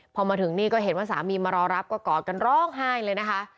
พอมาถึงนี่ก็เห็นว่าสามีมารอรับก็กอดกันร้องไห้เลยนะคะ